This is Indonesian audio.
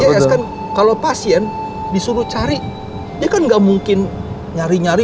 is kan kalau pasien disuruh cari dia kan nggak mungkin nyari nyari